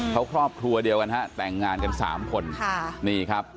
เขาครอบครัวเดียวกันฮะแต่งงานกันสามคนค่ะนี่ครับ